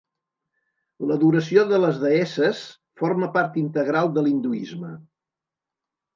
L'adoració de les deesses forma part integral de l'hinduisme.